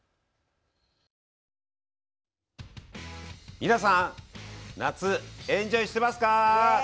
皆さん夏エンジョイしてますか？